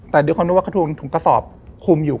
แต่เดี๋ยวคนรู้ว่าถุงกระสอบคุมอยู่